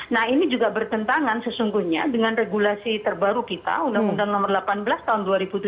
nah ini juga bertentangan sesungguhnya dengan regulasi terbaru kita undang undang nomor delapan belas tahun dua ribu tujuh belas